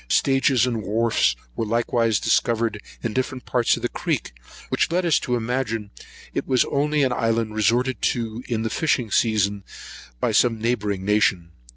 Stages and wharfs were likewise discovered in different parts of the creek, which led us to imagine it was only an island resorted to in the fishing season by some neighbouring nation.